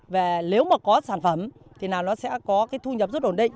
và nếu mà có sản phẩm thì nó sẽ có cái thu nhập rất ổn định